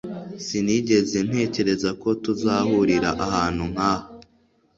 sinigeze ntekereza ko tuzahurira ahantu nkaha